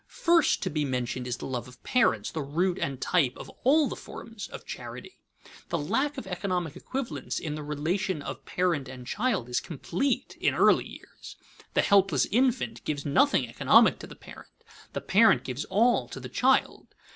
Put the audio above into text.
First to be mentioned is the love of parents, the root and type of all the forms of charity. The lack of economic equivalence in the relation of parent and child is complete in early years. The helpless infant gives nothing economic to the parent, the parent gives all to the child.